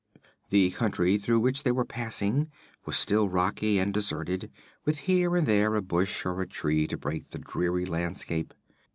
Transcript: The country through which they were passing was still rocky and deserted, with here and there a bush or a tree to break the dreary landscape.